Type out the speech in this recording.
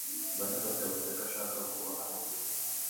Bonifasi yavuze ko ashaka kuba hano .